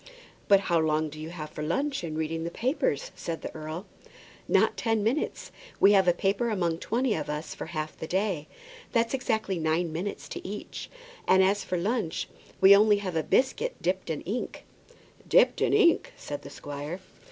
"But how long do you have for lunch and reading the papers?" said the earl. "Not ten minutes. We take a paper among twenty of us for half the day. That's exactly nine minutes to each; and as for lunch, we only have a biscuit dipped in ink." "Dipped in ink!" said the squire.